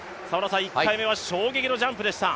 １回目は衝撃のジャンプでした。